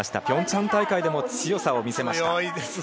平昌大会でも強さを見せました。